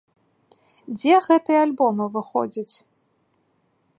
Дзе гэтыя альбомы выходзяць?